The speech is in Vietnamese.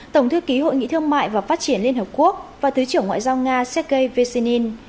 tổng thư ký hội nghị thương mại và phát triển liên hợp quốc và thứ trưởng ngoại giao nga sergei vecin